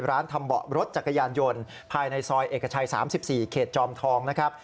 ทำเบาะรถจักรยานยนต์ภายในซอยเอกชัย๓๔เขตจอมทองนะครับ